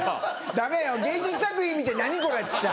ダメよ芸術作品見て「何これ」っつっちゃ。